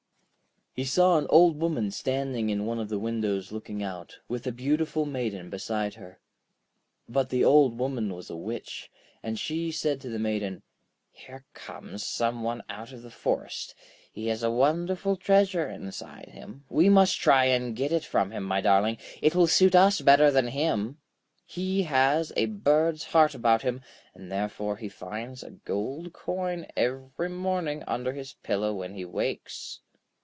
He saw an Old Woman standing in one of the windows looking out, with a beautiful Maiden beside her. But the Old Woman was a witch, and she said to the Maiden: 'Here comes some one out of the forest. He has a wonderful treasure inside him; we must try to get it from him, my darling, it will suit us better than him. He has a bird's heart about him, and therefore he finds a gold coin every morning under his pillow when he wakes.'